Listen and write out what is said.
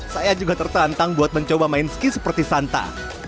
saya juga tertantang buat mencoba main ski seperti santa